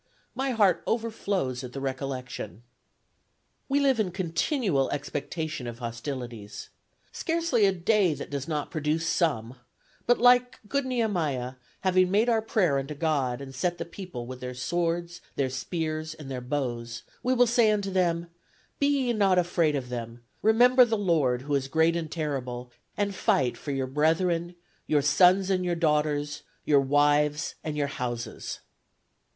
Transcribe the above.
My heart overflows at the recollection. "We live in continual expectation of hostilities. Scarcely a day that does not produce some; but, like good Nehemiah, having made our prayer unto God, and set the people with their swords, their spears, and their bows, we will say unto them, 'Be ye not afraid of them; remember the Lord, who is great and terrible, and fight for your brethren, your sons, and your daughters, your wives and your houses.'